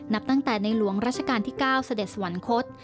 นับตั้งแต่ในหลวงรัชกาลที่๙สเดชสวันนคด